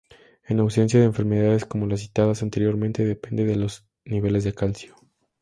En ausencia de enfermedades como las citadas anteriormente, depende de los niveles de calcio.